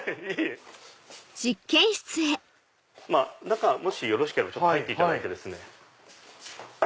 中もしよろしければ入っていただいてですね。